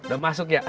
udah masuk ya